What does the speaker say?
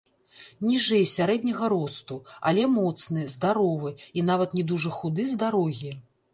Ніжэй сярэдняга росту, але моцны, здаровы, і нават не дужа худы з дарогі.